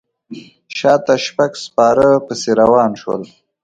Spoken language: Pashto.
شاته شپږ سپاره پسې روان شول.